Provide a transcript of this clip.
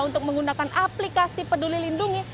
untuk menggunakan aplikasi peduli lindungi